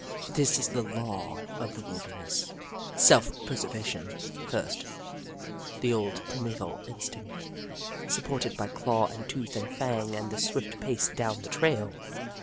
This is the law of the wilderness — self preservation first, the old, primeval instinct, supported by claw and tooth and fang and the swift pace down the trail.